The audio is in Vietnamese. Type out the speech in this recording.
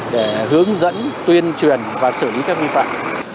để hướng dẫn tuyên truyền và xử lý các vi phạm